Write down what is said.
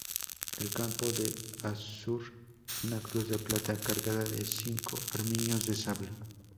En campo de azur, una cruz de plata cargada de cinco armiños de sable.